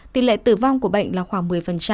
tỷ lệ tử vong của bệnh là khoảng một mươi